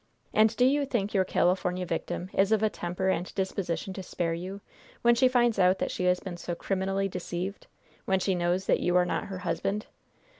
And do you think your California victim is of a temper and disposition to spare you, when she finds out that she has been so criminally deceived when she knows that you are not her husband?